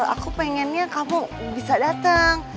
aku pengennya kamu bisa datang